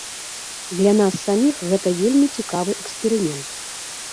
Для нас саміх гэта вельмі цікавы эксперымент.